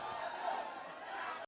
gebiar gebiar pelagi cinggah